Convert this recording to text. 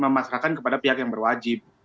memasrahkan kepada pihak yang berwajib